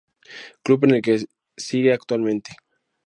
Club en el que sigue actualmente.